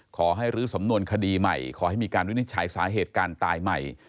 ขอให้รื้อสำนวนคดีใหม่ขอให้มีการวินิจฉัยสาเหตุการตายใหม่